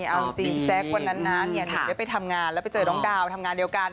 เอาจริงพี่แจ๊ควันนั้นนะหนูได้ไปทำงานแล้วไปเจอน้องดาวทำงานเดียวกัน